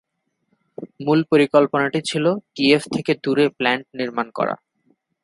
মূল পরিকল্পনাটি ছিল কিয়েভ থেকে দূরে প্ল্যান্ট নির্মাণ করা।